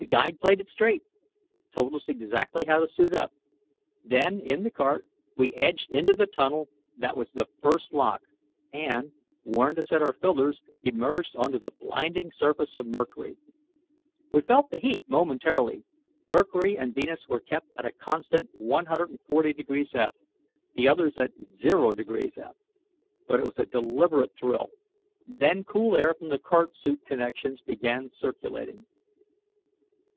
The guide played it straight, told us exactly how to suit up. Then, in the cart, we edged into the tunnel that was the first lock, and warned to set our filters emerged onto the blinding surface of Mercury. We felt the heat momentarily Mercury and Venus were kept at a constant 140 F, the others at 0 F but it was a deliberate thrill. Then cool air from the cart suit connections began circulating.